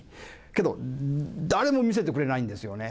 けど、誰も見せてくれないんですよね。